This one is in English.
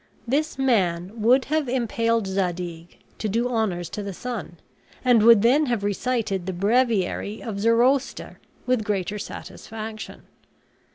This man would have impaled Zadig to do honors to the sun, and would then have recited the breviary of Zoroaster with greater satisfaction.